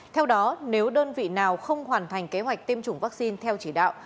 theo đó nếu đơn vị nào không hoàn thành kế hoạch tiêm chủng vaccine theo chỉ đạo